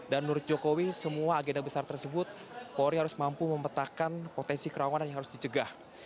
menurut jokowi semua agenda besar tersebut polri harus mampu memetakan potensi kerawanan yang harus dicegah